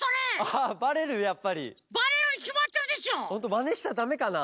まねしちゃだめかな？